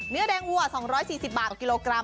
เนื้อแดงวัว๒๔๐บาทต่อกิโลกรัม